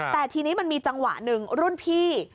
แต่ทีนี้มันมีจังหวะหนึ่งรุ่นพี่